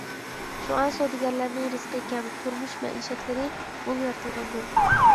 شۇڭا سودىگەرلەرنىڭ رىزقى كەڭ، تۇرمۇش مەئىشەتلىرى مول يارىتىلغاندۇر.